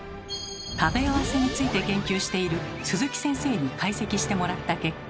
食べ合わせについて研究している鈴木先生に解析してもらった結果。